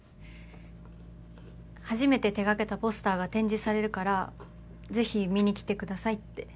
初めて手掛けたポスターが展示されるからぜひ見に来てくださいって。